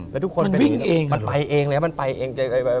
มันวิ่งเองหรออเจมส์แล้วทุกคนมันไปเองเลยมันไปเอง